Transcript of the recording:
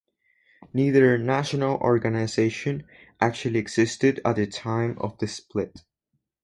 Neither national organization actually existed at the time of the split.